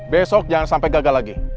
besok jangan sampai gagal lagi